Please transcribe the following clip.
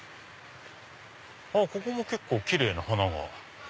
あっここも結構キレイな花が。